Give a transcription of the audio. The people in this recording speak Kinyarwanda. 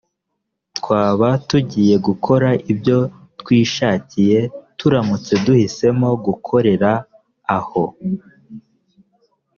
twaba tugiye gukora ibyo twishakiye turamutse duhisemo gukorera aho